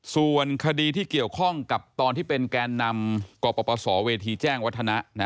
ส่วนคดีที่เกี่ยวข้องกับตอนที่เป็นแกนนำกปศเวทีแจ้งวัฒนะ